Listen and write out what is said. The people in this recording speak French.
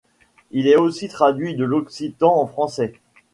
Il a aussi traduit de l'occitan en français.